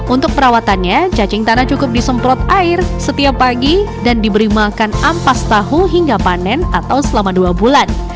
untuk perawatannya cacing tanah cukup disemprot air setiap pagi dan diberi makan ampas tahu hingga panen atau selama dua bulan